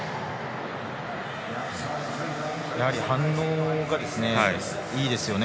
やはり反応がいいですよね。